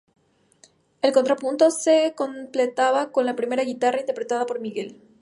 El contrapunto se completaba con la primera guitarra, interpretada por Miguel.